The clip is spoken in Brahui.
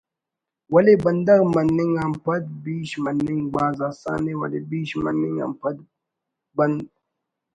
ولے بندغ مننگ آن پد بیش مننگ بھاز آسانءِ ولے بیش مننگ آن پد بند